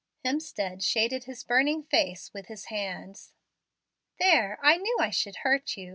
Hemstead shaded his burning face with his hands. "There, I knew I should hurt you.